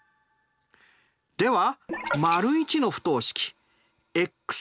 では